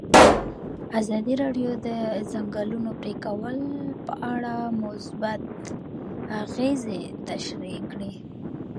ازادي راډیو د د ځنګلونو پرېکول په اړه مثبت اغېزې تشریح کړي.